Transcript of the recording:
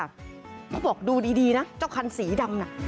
เขาบอกดูดีนะเจ้าคันสีดำน่ะ